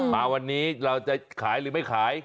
มาวันนี้เราจะขายหรือไม่ขาย